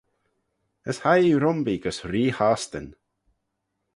As hie ee rhymbee gys Ree Hostyn.